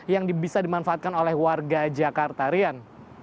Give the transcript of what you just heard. yang bisa dimanfaatkan oleh warga jakartarian